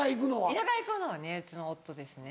田舎行くのはねうちの夫ですね。